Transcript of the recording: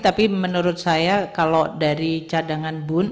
tapi menurut saya kalau dari cadangan bun